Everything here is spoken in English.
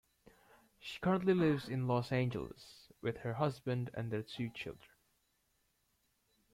She currently lives in Los Angeles with her husband and their two children.